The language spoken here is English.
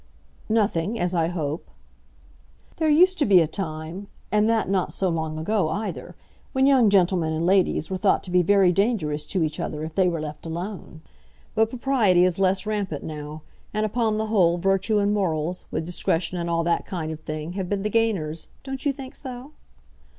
"Nothing, as I hope." "There used to be a time, and that not so long ago either, when young gentlemen and ladies were thought to be very dangerous to each other if they were left alone. But propriety is less rampant now, and upon the whole virtue and morals, with discretion and all that kind of thing, have been the gainers. Don't you think so?"